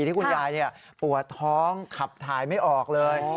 ที่คุณยายปวดท้องขับถ่ายไม่ออกเลย